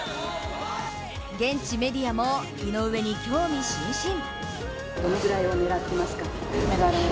現地メディアも井上に興味津々。